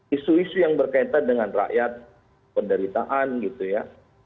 isu isu yang berkaitan dengan rakyat penderitaan gitu ya